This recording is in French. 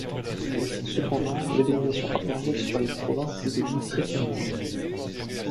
Cependant, la domination impériale sur les provinces est devenue très ténue.